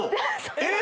えっ！